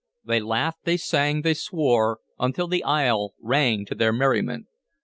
They laughed, they sang, they swore, until the isle rang to their merriment.